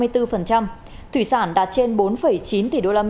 thủy sản đạt trên bốn chín tỷ usd